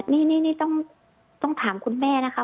นี่ต้องถามคุณแม่นะคะ